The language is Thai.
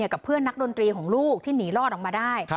กับเพื่อนนักดนตรีของลูกที่หนีรอดออกมาได้